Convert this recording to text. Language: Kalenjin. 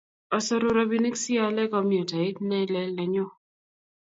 Asoru ropinik si aale komyutait ne lel nenyu